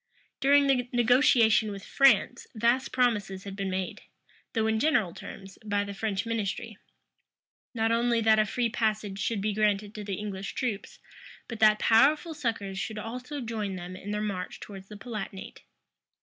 During the negotiation with France, vast promises had been made, though in general terms, by the French ministry; not only that a free passage should be granted to the English troops, but that powerful succors should also join them in their march towards the Palatinate.